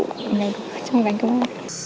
trong đội ngành công an